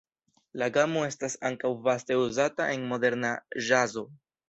La gamo estas ankaŭ vaste uzata en moderna ĵazo.